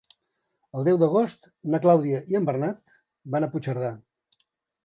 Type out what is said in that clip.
El deu d'agost na Clàudia i en Bernat van a Puigcerdà.